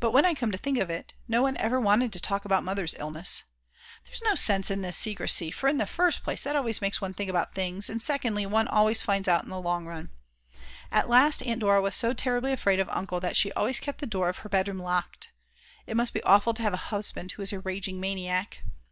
But when I come to think of it, no one ever wanted to talk about Mother's illness. There's no sense in this secrecy, for in the first place that always makes one think about things, and secondly one always finds out in the long run. At last Aunt Dora was so terribly afraid of Uncle that she always kept the door of her bedroom locked. It must be awful to have a husband who is a raging maniac.